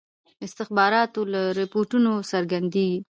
استخباراتو له رپوټونو څرګندیږي.